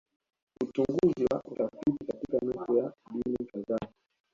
Uchunguzi wa utafiti katika nusu ya dini kadhaa